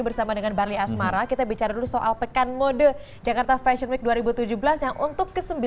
bersama dengan barli asmara kita bicara dulu soal pekan mode jakarta fashion week dua ribu tujuh belas yang untuk ke sembilan